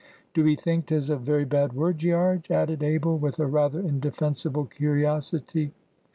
Do 'ee think 'tis a very bad word, Gearge?" added Abel, with a rather indefensible curiosity.